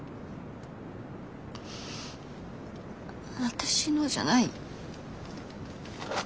私のじゃない。